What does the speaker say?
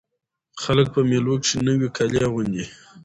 خلک په مېلو کښي نوي کالي اغوندي.